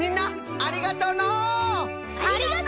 ありがとう！